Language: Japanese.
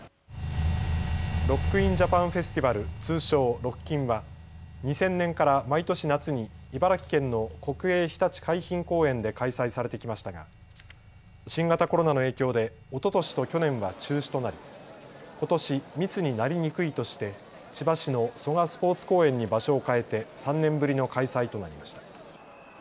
ロック・イン・ジャパン・フェスティバル、通称ロッキンは２０００年から毎年夏に茨城県の国営ひたち海浜公園で開催されてきましたが新型コロナの影響でおととしと去年は中止となりことし、密になりにくいとして千葉市の蘇我スポーツ公園に場所を変えて３年ぶりの開催となりました。